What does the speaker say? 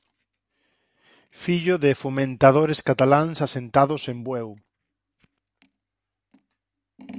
Fillo de fomentadores cataláns asentados en Bueu.